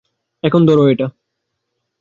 এখন ধরো এটা!